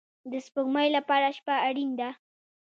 د سپوږمۍ لپاره شپه اړین ده